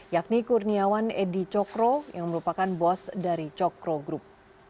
yakni kurniawan edi cokro yang merupakan bos dari cokro group